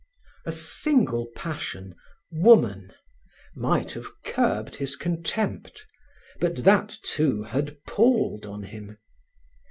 A single passion, woman, might have curbed his contempt, but that, too, had palled on him.